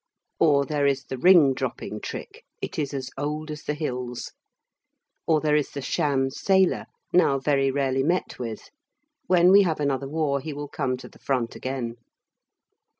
Or there is the ring dropping trick, it is as old as the hills. Or there is the sham sailor now very rarely met with. When we have another war he will come to the front again.